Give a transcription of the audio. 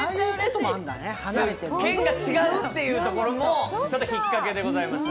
県が違うというところもひっかけでございました。